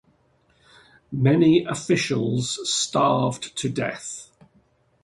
Many officials starved to death.